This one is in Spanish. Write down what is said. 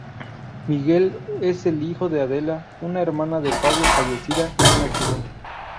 Miguel es el hijo de Adela, una hermana de Pablo fallecida en un accidente.